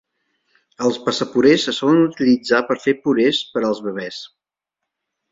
Els passapurés se solen utilitzar per fer purés per als bebès.